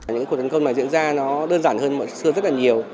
những cuộc tấn công mà diễn ra nó đơn giản hơn xưa rất là nhiều